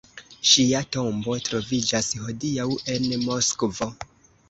Ŝia tombo troviĝas hodiaŭ en Moskvo.